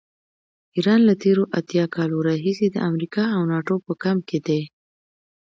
ایران له تېرو اتیا کالو راهیسې د امریکا او ناټو په کمپ کې دی.